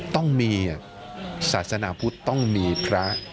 ต้องมีศาสนาพุทธต้องมีพระ